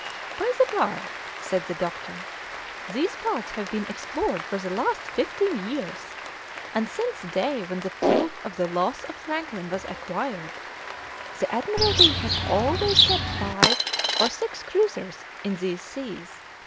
"By the bye," said the doctor, "these parts have been explored for the last fifteen years, and since the day when the proof of the loss of Franklin was acquired, the Admiralty has always kept five or six cruisers in these seas.